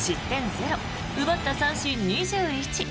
０奪った三振２１。